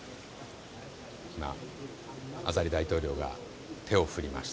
アザリ大統領が手を振りました。